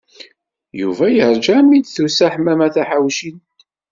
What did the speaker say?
Yuba yerǧa armi i d-usa Ḥemmama Taḥawcint.